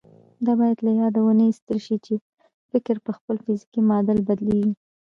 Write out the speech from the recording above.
دا بايد له ياده ونه ايستل شي چې فکر پر خپل فزيکي معادل بدلېږي.